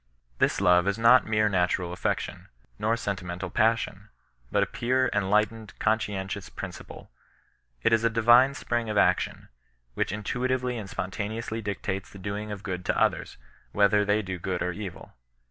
This love is not mere natural affec tion, nor sentimental passion, but a pure, enlightened, conscientious principle. It is a divine spring of action, which intuitively and spontaneously dictates the doing of good to others, whether thei^ do good or evil.